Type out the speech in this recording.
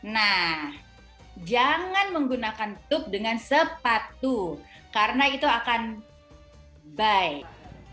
nah jangan menggunakan tup dengan sepatu karena itu akan baik